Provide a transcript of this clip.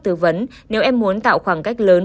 tư vấn nếu em muốn tạo khoảng cách lớn